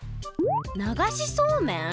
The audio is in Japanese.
ながしそうめん？